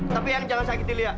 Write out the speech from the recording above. tapi eyang jangan sakiti liat